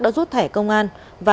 đã rút thẻ công an